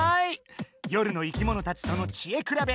夜の生きものたちとの知恵くらべ